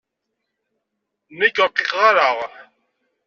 Nekk ur rqiqeɣ ara.